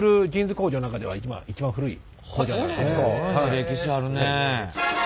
歴史あるねえ。